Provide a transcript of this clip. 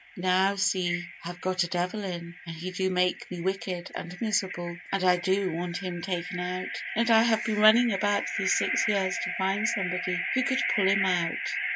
Now, see, I have got a devil in, and he do make me wicked and miserable, and I do want him taken out, and I have been running about these six years to find somebody who could pull him out.